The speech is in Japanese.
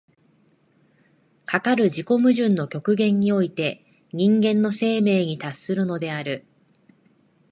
かかる自己矛盾の極限において人間の生命に達するのである。